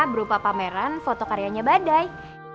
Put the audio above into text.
berupa pameran foto karyanya badai